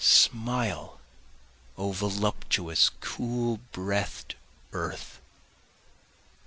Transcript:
Smile O voluptuous cool breath'd earth!